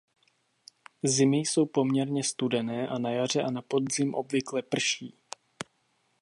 Zimy jsou poměrně studené a na jaře a na podzim obvykle prší.